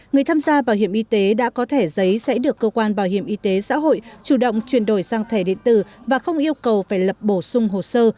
người tham gia bảo hiểm y tế đã có thẻ giấy sẽ được cơ quan bảo hiểm y tế xã hội chủ động chuyển đổi sang thẻ điện tử và không yêu cầu phải lập bổ sung hồ sơ